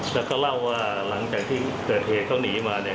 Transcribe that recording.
แล้วก็เล่าว่าหลังจากที่เกิดเหตุเขาหนีมาเนี่ย